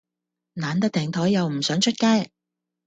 懶得訂枱又唔想出街?